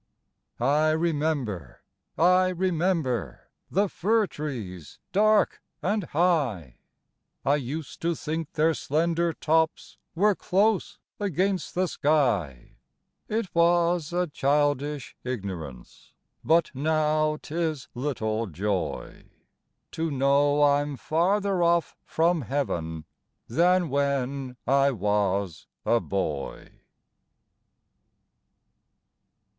I remember, I remember The fir trees dark and high; I used to think their slender tops Were close against the sky: It was a childish ignorance, But now 'tis little joy To know I'm farther off from Heaven Than when I was a boy.